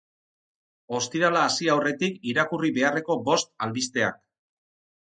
Ostirala hasi aurretik irakurri beharreko bost albisteak.